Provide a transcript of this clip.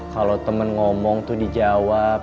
kalau temen ngomong tuh dijawab